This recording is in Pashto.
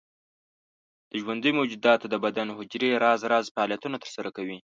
د ژوندیو موجوداتو د بدن حجرې راز راز فعالیتونه تر سره کوي.